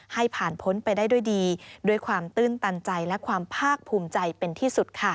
ให้ผ่านพ้นไปได้ด้วยดีด้วยความตื้นตันใจและความภาคภูมิใจเป็นที่สุดค่ะ